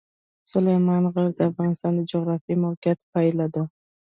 سلیمان غر د افغانستان د جغرافیایي موقیعت پایله ده.